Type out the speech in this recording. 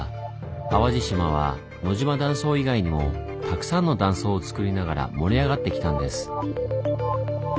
淡路島は野島断層以外にもたくさんの断層をつくりながら盛り上がってきたんです。